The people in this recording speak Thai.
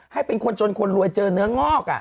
ให้เป็นคนจนคนรวยเจอเนื้องอก